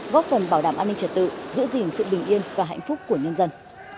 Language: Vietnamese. góp phần bảo đảm an ninh trật tự giữ gìn sự bình yên và hạnh phúc của nhân dân